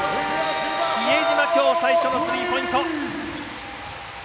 比江島、きょう最初のスリーポイント。